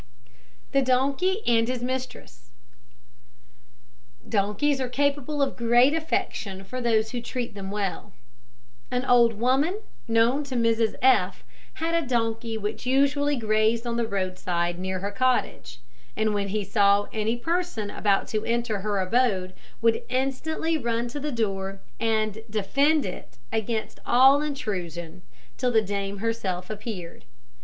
THE DONKEY AND HIS MISTRESS. Donkeys are capable of great affection for those who treat them well. An old woman, known to Mrs F , had a donkey which usually grazed on the roadside near her cottage, and when he saw any person about to enter her abode would instantly run to the door and defend it against all intrusion till the dame herself appeared.